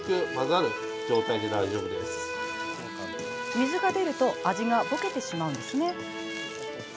水が出ると味がぼけてしまいます。